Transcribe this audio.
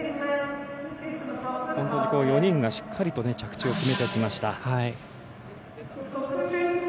本当に４人がしっかりと着地を決めてきました。